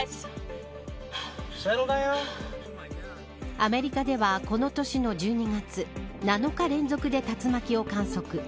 アメリカでは、この年の１２月７日連続で竜巻を観測。